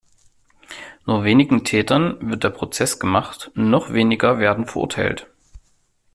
Nur wenigen Tätern wird der Prozess gemacht, noch weniger werden verurteilt.